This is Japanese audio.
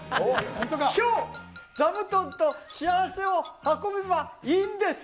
きょう座布団と幸せを運べばいいんです。